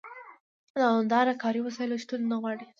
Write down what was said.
د دوامداره کاري وسایلو شتون نه غواړي.